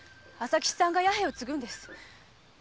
朝吉さんが弥平を継ぐんです。